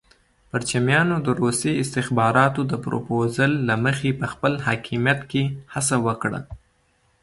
پرچمیانو د روسي استخباراتو د پرپوزل له مخې په خپل حاکمیت کې هڅه وکړه.